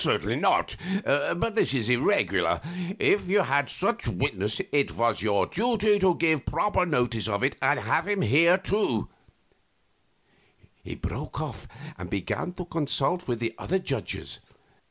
"Certainly not; but this is irregular. If you had such a witness it was your duty to give proper notice of it and have him here to " He broke off and began to consult with the other judges.